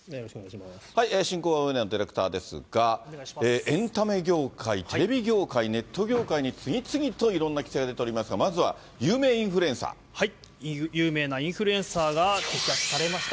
進行は上野ディレクターですが、エンタメ業界、テレビ業界、ネット業界に次々といろんな規制が出ておりますが、まずは有名イ有名なインフルエンサーが摘発されました。